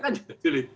kan juga sulit